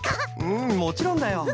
うんもちろんだよ。